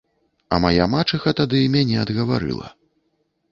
А мая мачаха тады мяне адгаварыла.